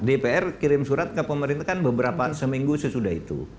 dpr kirim surat ke pemerintah kan beberapa seminggu sesudah itu